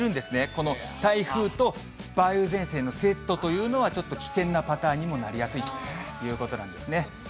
この台風と梅雨前線のセットというのは、ちょっと危険なパターンにもなりやすいということなんですね。